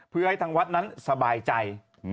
เพื่อให้ทางวัดนั้นสบายใจ